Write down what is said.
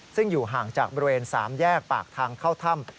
ซึ่งอยู่ห่างจากบริเวณ๓แยกปากทางเข้าถ้ำ